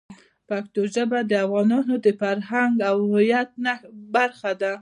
پښتو ژبه د افغانانو د فرهنګ او هویت برخه ده.